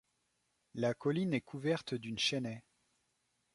La colline est couverte d'une chênaie.